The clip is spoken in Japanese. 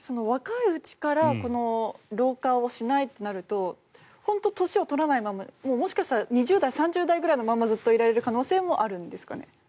若いうちから老化をしないとなると本当に年を取らないままもしかしたら２０代、３０代のままずっといられる可能性もあるんですかね。